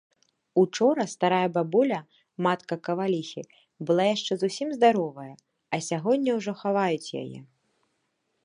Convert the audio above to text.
Учора старая бабуля, матка каваліхі, была яшчэ зусім здаровая, а сягоння ўжо хаваюць яе.